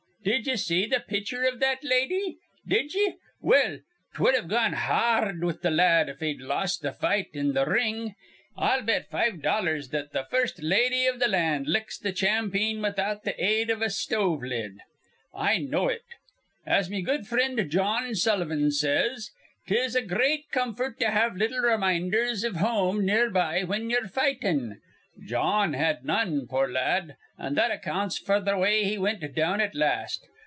Did ye see the pitcher iv that lady? Did ye? Well, 'twud've gone har rd with th' lad if he'd lost th' fight in th' ring. He'd have to lose another at home. I'll bet five dollars that th' first lady iv th' land licks th' champeen without th' aid iv a stove lid. I know it. "As me good frind, Jawn Sullivan, says, 'tis a great comfort to have little reminders iv home near by whin ye're fightin'. Jawn had none, poor lad; an' that accounts f'r th' way he wint down at last.